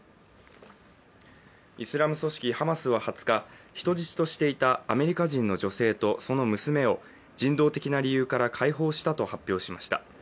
イスラム組織ハマスは２０日、人質としていたアメリカ人の女性とその娘を人道的な理由から解放したと発表しました。